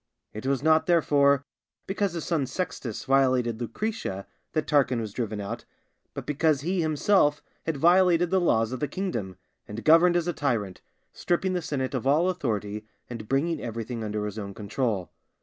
It was not, therefore, because his son Sextus violated Lucretia that Tarquin was driven out, but because he himself had violated the laws of the kingdom, and governed as a tyrant, stripping the senate of all authority, and bringing everything under his own control.